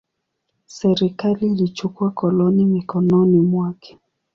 Serikali ilichukua koloni mikononi mwake.